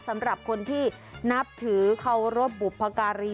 สำหรับคนที่นับถือเคารพบุพการี